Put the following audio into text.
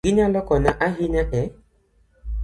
Ginyalo konyo ahinya e